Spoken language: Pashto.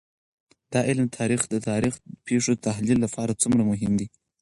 دا علم د تاريخي پېښو د تحلیل لپاره څومره مهم دی؟